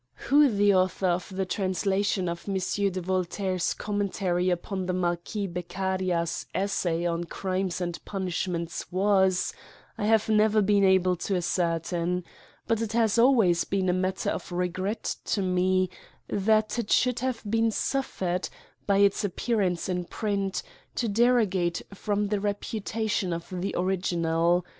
WHO the author of the translation of M, de Voltaire's commentary upon the Marquis Bec caria's Essay on Crimes and Punishments was, I have never been able to ascertain, but it h^s always been a matter of regret to me, that it should have been suffered, by its appearance in print, to derogate from the reputation of the ori ginal.